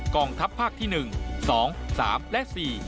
กองทัพภาคที่๑๒๓และ๔